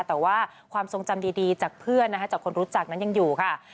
แต่ว่าความทรงจำดีจากเพื่อนนะคะจากคนรู้จักนั้นยังอยู่ค่ะ